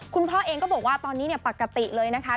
คุณพ่อเองก็บอกว่าตอนนี้ปกติเลยนะคะ